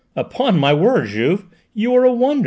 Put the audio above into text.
"Upon my word, Juve, you are a wonder," M.